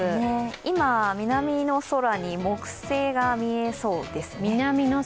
今、南の空に木星が見えそうですね。